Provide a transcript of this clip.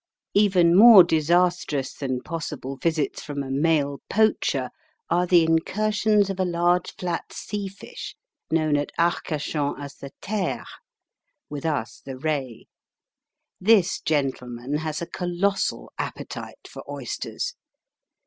Even more disastrous than possible visits from a male poacher are the incursions of a large flat sea fish, known at Arcachon as the there, with us the ray. This gentleman has a colossal appetite for oysters.